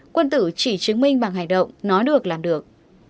quân tử chỉ chứng minh bằng hành động nói được làm được